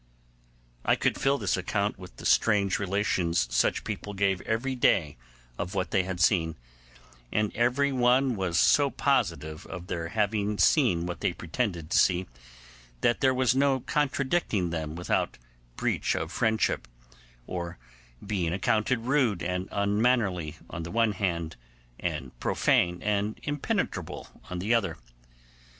I could fill this account with the strange relations such people gave every day of what they had seen; and every one was so positive of their having seen what they pretended to see, that there was no contradicting them without breach of friendship, or being accounted rude and unmannerly on the one hand, and profane and impenetrable on the other.